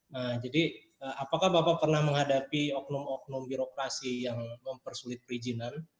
nah jadi apakah bapak pernah menghadapi oknum oknum birokrasi yang mempersulit perizinan